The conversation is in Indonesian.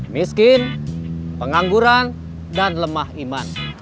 miskin pengangguran dan lemah iman